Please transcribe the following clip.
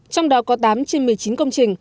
trong đó có tám trên một mươi chín công trình